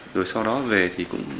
rồi sau đó về thì cũng